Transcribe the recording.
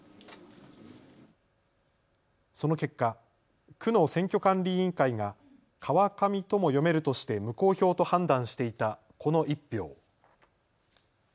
その結果、区の選挙管理委員会が川上とも読めるとして無効票と判断していたこの１票。